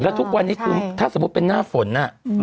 แล้วทุกวันนี้คือถ้าสมมุติเป็นหน้าฝน